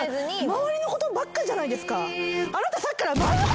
周りのことばっかじゃないですか。